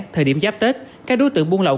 thời điểm giáp tết các đối tượng buôn lậu